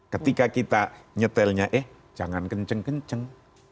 ketika kita nyetelnya eh jangan kenceng kenceng